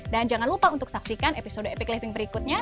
dan jangan lupa untuk saksikan episode epic living berikutnya